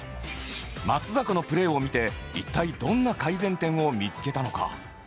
松坂のプレーを見て一体どんな改善点を見付けたのか？